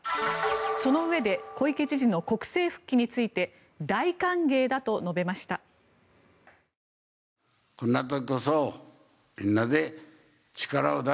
そのうえで小池知事の国政復帰について大歓迎だと述べました。